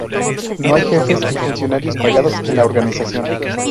No hay jefes y funcionarios pagados en la organización.